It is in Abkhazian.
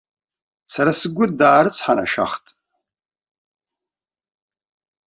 Сара сгәы даарыцҳанашьахт!